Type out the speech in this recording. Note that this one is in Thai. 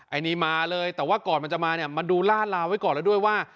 อันนี้มาเลยแต่ว่าก่อนมันจะมาเนี่ยมาดูล่าลาไว้ก่อนแล้วด้วยว่า